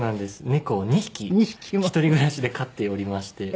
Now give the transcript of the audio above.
猫を２匹一人暮らしで飼っておりまして。